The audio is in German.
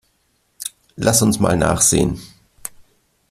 Lass uns mal nachsehen.